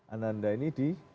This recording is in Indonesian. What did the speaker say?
anak anak ini di